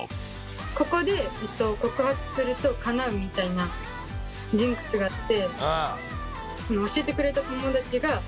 ここで告白するとかなうみたいなジンクスがあって。